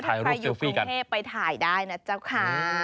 ถ้าใครอยู่กรุงเทพไปถ่ายได้นะเจ้าค่ะ